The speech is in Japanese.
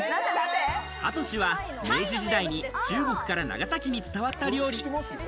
ハトシは明治時代に中国から長崎に伝わった料理。